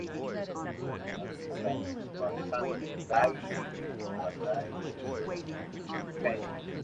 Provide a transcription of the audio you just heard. He also started merchandising a line of T-shirts and key chains.